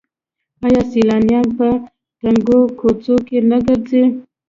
آیا سیلانیان په تنګو کوڅو کې نه ګرځي؟